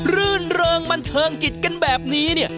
รื่นเริงบันเทิงจิตกันแบบนี้เนี่ย